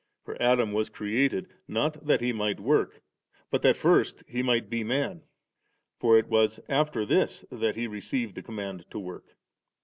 For Adam was created, not that He might work, but that first he might be man ; for it was after this that he received the command to work.